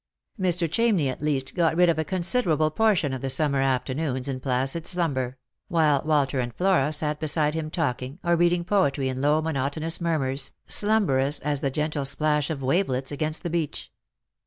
Mr. Chamney, at least, got rid of a considerable portion of the summer afternoons in placid slumber; while Walter and Flora sat beside him talking, or reading poetry in low monotonous murmurs, slumberous as the gentle plash of wavelets against the beach.